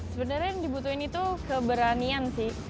sebenarnya yang dibutuhin itu keberanian sih